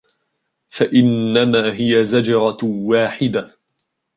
فَإِنَّمَا هِيَ زَجْرَةٌ وَاحِدَةٌ